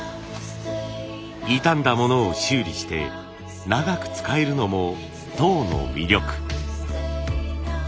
傷んだものを修理して長く使えるのも籐の魅力。